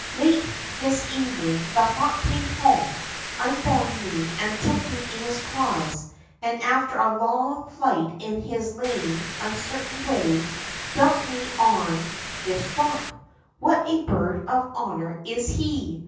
Late this evening the hawk came home, un bound me, took me in his claws, and, after a long flight in his lame, uncertain way, dumped me on this rock. What a bird of honor is he